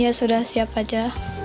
ya sudah siap aja